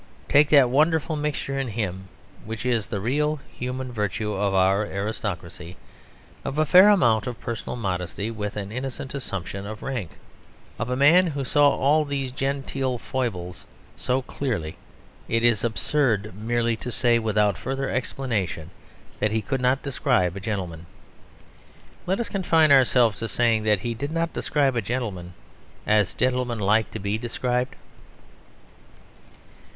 Take that wonderful mixture in him (which is the real human virtue of our aristocracy) of a fair amount of personal modesty with an innocent assumption of rank. Of a man who saw all these genteel foibles so clearly it is absurd merely to say without further explanation that he could not describe a gentleman. Let us confine ourselves to saying that he did not describe a gentleman as gentlemen like to be described.